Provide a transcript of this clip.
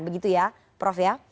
begitu ya prof ya